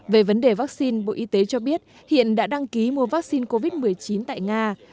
về vấn đề vaccine bộ y tế cho biết hiện đã đăng ký mua vaccine covid một mươi chín tại nga